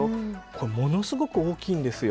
これものすごく大きいんですよ。